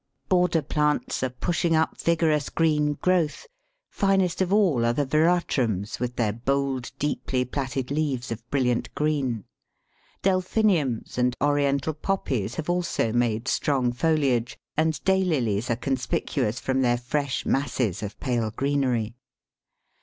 ] Border plants are pushing up vigorous green growth; finest of all are the Veratrums, with their bold, deeply plaited leaves of brilliant green. Delphiniums and Oriental Poppies have also made strong foliage, and Daylilies are conspicuous from their fresh masses of pale greenery.